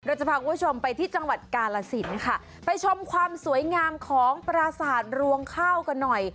เราจะพาคุณผู้ชมไปที่จังหวัดกาลสินค่ะไปชมความสวยงามของปราสาทรวงข้าวกันหน่อย